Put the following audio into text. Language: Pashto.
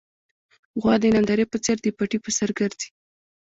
غوا د نندارې په څېر د پټي پر سر ګرځي.